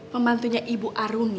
pembantunya ibu aruni